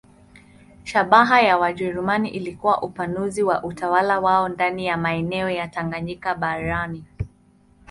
Shabaha ya Wajerumani ilikuwa upanuzi wa utawala wao ndani ya maeneo ya Tanganyika barani.